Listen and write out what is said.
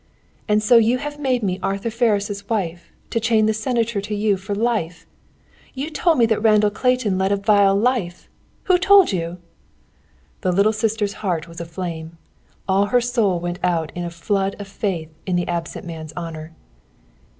"And so you have made me Arthur Ferris' wife to chain the Senator to you for life! You told me that Randall Clayton led a vile life. Who told you?" The Little Sister's heart was aflame. All her soul went out in a flood of faith in the absent man's honor.